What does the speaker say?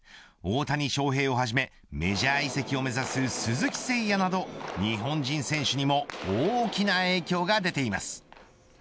大谷翔平をはじめメジャー移籍を目指す鈴木誠也など日本人選手にも大きな影響が出ています。